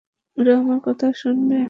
ওরা আমার কথা শোনবে।